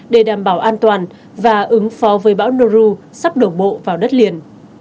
để đảm bảo an toàn và ứng phó với bão noru sắp đổ bộ vào đất liền